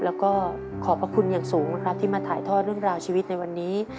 แล้วก็ขอบพระคุณอย่างสูงนะครับที่มาถ่ายทอดเรื่องราวชีวิตในวันนี้